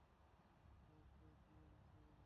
অবশ্যই জিএম হিসেবে।